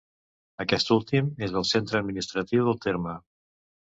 Aquest últim és el centre administratiu del terme.